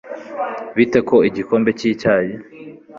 bite ho igikombe c'icyayi